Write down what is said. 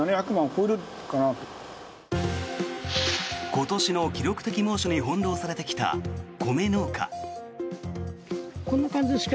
今年の記録的猛暑に翻ろうされてきた米農家。